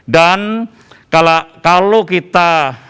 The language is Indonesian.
dan kalau kita